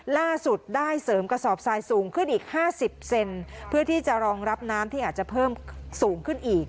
ล่าสุดได้เสริมกระสอบทรายสูงขึ้นอีก๕๐เซนเพื่อที่จะรองรับน้ำที่อาจจะเพิ่มสูงขึ้นอีก